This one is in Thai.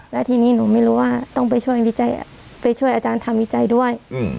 แล้วทีนี้หนูไม่รู้ว่าต้องไปช่วยไปช่วยอาจารย์ทำวิจัยด้วย